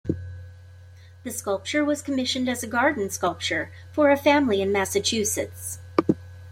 The sculpture was commissioned as a garden sculpture for a family in Massachusetts.